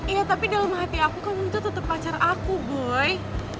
iya tapi dalam hati aku kamu itu tetap pacar aku boy